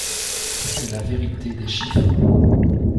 C’est la vérité des chiffres.